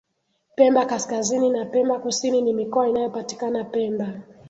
Pemba kaskazini na pemba kusini ni mikoa inayopatikana pemba